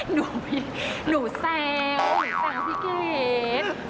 หนูแซวหนูแซวพี่เกศ